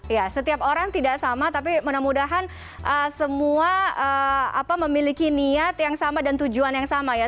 ya setiap orang tidak sama tapi mudah mudahan semua memiliki niat yang sama dan tujuan yang sama ya